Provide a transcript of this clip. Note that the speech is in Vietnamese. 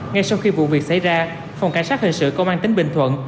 ngay sau khi vụ việc xảy ra phòng cảnh sát hình sự công an tỉnh bình thuận